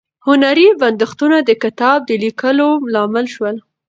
هنري بندښتونه د کتاب د لیکلو لامل شول.